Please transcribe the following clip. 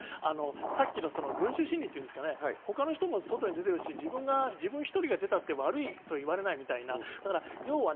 さっきの群集心理っていうんですかね、他の人も外に出てるし自分一人が出たって悪いと言われないみたいな。